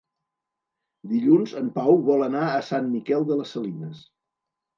Dilluns en Pau vol anar a Sant Miquel de les Salines.